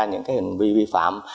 những cái hình vi phạm